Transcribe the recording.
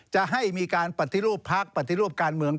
จะให้มีการปฏิรูปพักปฏิรูปการเมือง